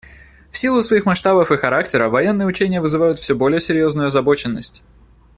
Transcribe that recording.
В силу своих масштабов и характера военные учения вызывают все более серьезную озабоченность.